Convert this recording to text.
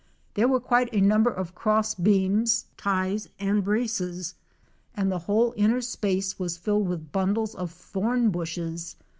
There were quite a number of cross beams, ties and braces and the whole inner space was filled with bundles of thorn bushes.